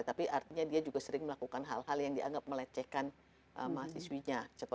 tapi artinya dia juga sering melakukan hal hal yang dianggap melecehkan mahasiswinya